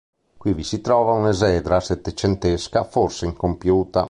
Qui si trova un'esedra settecentesca, forse incompiuta.